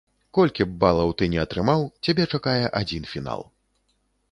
Колькі б балаў ты ні атрымаў, цябе чакае адзін фінал.